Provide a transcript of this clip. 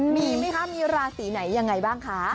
มีไหมคะมีราศีไหนยังไงบ้างคะ